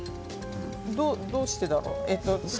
どうしてだろう。